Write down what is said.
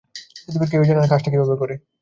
পৃথিবীর কেউই জানে না কাজটা কীভাবে করে।